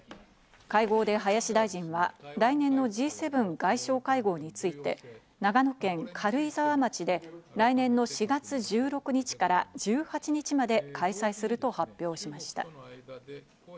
会合で林大臣は来年のＧ７外相会合について、長野県軽井沢町で来年の４月１６日から１８日まで開催すると発表しました。